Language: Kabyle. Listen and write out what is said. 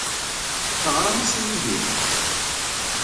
Teɣram-as i Yidir?